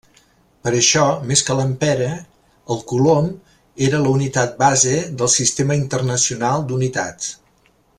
Per això, més que l'ampere, el coulomb era la unitat base del Sistema Internacional d'Unitats.